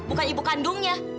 bukan ibu kandungnya